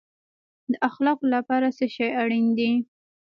د اخلاقو لپاره څه شی اړین دی؟